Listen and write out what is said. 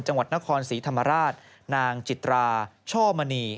จังหวัดนครศรีธรรมราชนางจิตราช่อมณี